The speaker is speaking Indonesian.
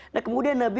nah kemudian nabi